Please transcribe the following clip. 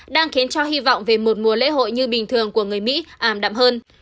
đang khiến cho hy vọng về một mùa lễ hội như bình thường của người mỹ ảm đạm hơn